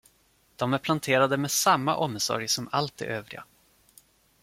De är planterade med samma omsorg som allt det övriga.